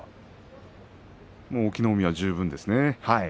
もう隠岐の海は十分ですね。